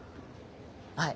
はい。